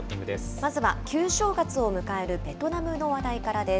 まずは旧正月を迎えるベトナムの話題からです。